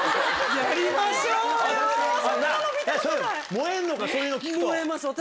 燃えんのかそういうの聞くと。